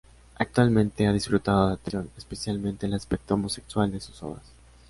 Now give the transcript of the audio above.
Actualmente ha disfrutado de atención, especialmente el aspecto homosexual de sus obras.